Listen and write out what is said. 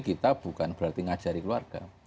kita bukan berarti ngajari keluarga